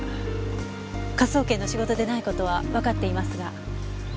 科捜研の仕事でない事はわかっていますが。